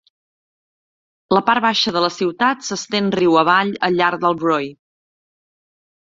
La part baixa de la ciutat s'estén riu avall al llarg del Broye.